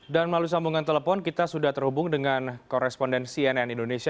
dan melalui sambungan telepon kita sudah terhubung dengan korespondensi nn indonesia